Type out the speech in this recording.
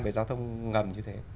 về giao thông ngầm như thế